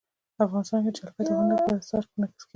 افغانستان کې جلګه د هنر په اثار کې منعکس کېږي.